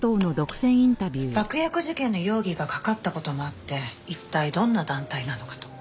爆薬事件の容疑がかかった事もあって一体どんな団体なのかと。